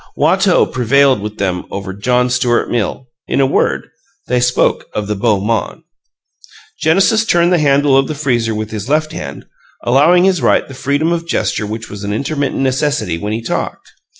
Watteau prevailed with them over John Stuart Mill in a word, they spoke of the beau monde. Genesis turned the handle of the freezer with his left hand, allowing his right the freedom of gesture which was an intermittent necessity when he talked.